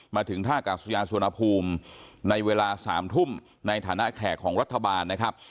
มาถึงท่ากาศยานสุวรรณภูมิในเวลา๓ทุ่มในฐานะแขกของรัฐบาลนะครับ